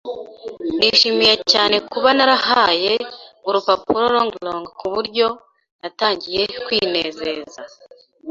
Nishimiye cyane kuba narahaye urupapuro Long Long kuburyo natangiye kwinezeza